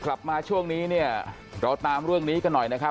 กลับมาช่วงนี้เนี่ยเราตามเรื่องนี้กันหน่อยนะครับ